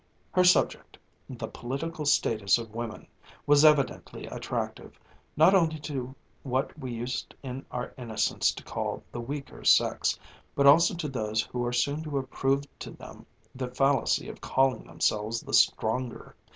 Her subject the "Political Status of Women" was evidently attractive, not only to what we used in our innocence to call the weaker sex, but also to those who are soon to have proved to them the fallacy of calling themselves the stronger.